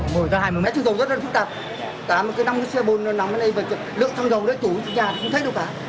nói chứa dầu rất là phức tạp cả một cái xe bồn nằm ở đây và lượng xăng dầu đó chủ nhà không thấy đâu cả